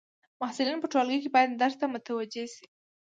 محصلین په ټولګی کي باید درس ته متوجي سي.